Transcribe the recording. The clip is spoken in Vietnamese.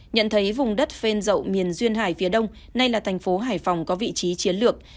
nhận thấy vùng đất phên rậu miền duyên hải phía đông nay là thành phố hải phòng có vị trí chiến lược